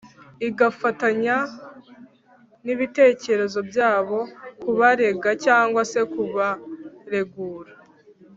igafatanya n’ibitekerezo byabo kubarega cyangwa se kubaregura.